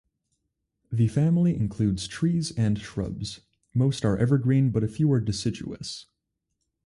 The family includes trees and shrubs; most are evergreen but a few are deciduous.